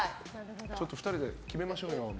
ちょっと２人で決めましょうよ。